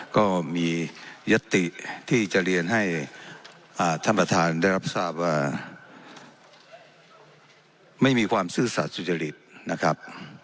ก็มียติที่จะเรียนให้ท่านประธานได้รับทราบว่าไม่มีความซื่อสัตว์สุจริตนะครับ